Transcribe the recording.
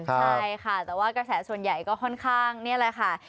ใช่ค่ะแต่ว่ากระแสส่วนใหญ่ก็ค่อนข้างนี่แหละค่ะ